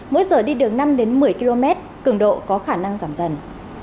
mỗi giờ đi đường năm một mươi km cường độ có khả năng giảm dần